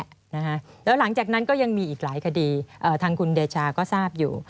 แล้วหลังจากนั้นก็ยังมีอีกหลายคดีทางคุณเดชาก็ทราบอยู่